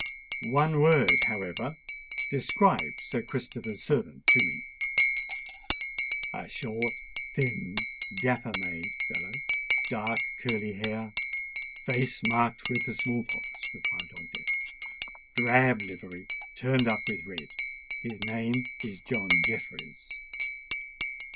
One word, however;—describe Sir Christopher's servant to me." "A short—thin—dapper made fellow—dark curly hair—face marked with the small pox," replied Old Death. "Drab livery, turned up with red. His name is John Jeffreys."